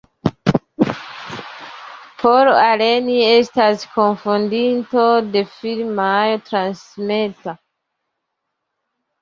Paul Allen estas kunfondinto de firmao Transmeta.